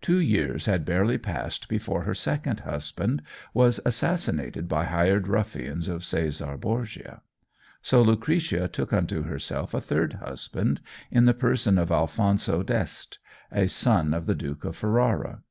Two years had barely passed before her second husband was assassinated by hired ruffians of Cesare Borgia. So Lucretia took unto herself a third husband in the person of Alphonso d'Este, a son of the Duke of Ferrara.